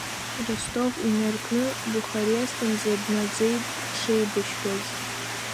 Ростов инаркны Бухарестнӡа днаӡеит дшеибашьуаз…